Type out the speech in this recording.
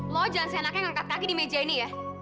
lo jangan seenaknya ngangkat kaki di meja ini ya